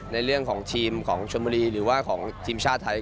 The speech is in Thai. ในเรื่องของทีมของชมบุรีหรือว่าของทีมชาติไทย